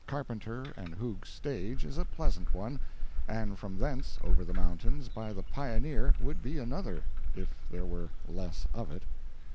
Carpenter & Hoog's stage is a pleasant one, and from thence over the mountains by the Pioneer would be another, if there were less of it.